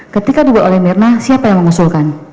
ketika dibuat oleh mirna siapa yang mengusulkan